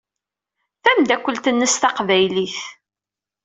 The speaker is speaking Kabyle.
Tameddakelt-nnes taqbaylit.